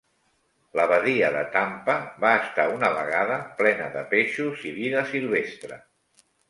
La badia de Tampa va estar una vegada plena de peixos i vida silvestre.